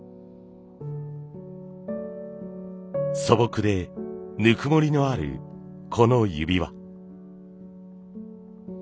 素朴でぬくもりのあるこの指輪。